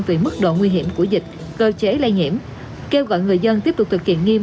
về mức độ nguy hiểm của dịch cơ chế lây nhiễm kêu gọi người dân tiếp tục thực hiện nghiêm